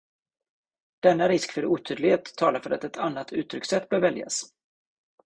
Denna risk för otydlighet talar för att ett annat uttryckssätt bör väljas.